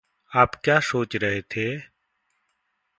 आप क्या सोच रहे थे?